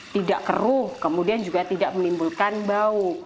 tidak keruh kemudian juga tidak menimbulkan bau